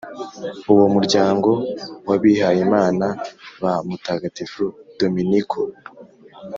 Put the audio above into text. uwo muryango w’abihayimana ba mutagatifu dominiko,